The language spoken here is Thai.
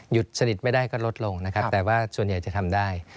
สนิทไม่ได้ก็ลดลงนะครับแต่ว่าส่วนใหญ่จะทำได้